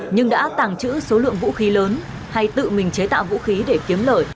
nhưng đã tàng trữ số lượng vũ khí lớn hay tự mình chế tạo vũ khí để kiếm lời